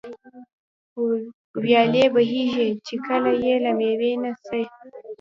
ويالې بهېږي، چي كله ئې له مېوې نه څه